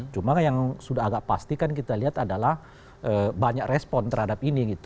cuma yang sudah agak pasti kan kita lihat adalah banyak respon terhadap ini gitu